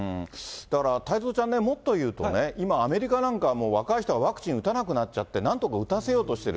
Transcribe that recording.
だから太蔵ちゃんね、もっと言うとね、今、アメリカなんかはもう若い人はワクチン打たなくなっちゃって、なんとか打たせようとしている。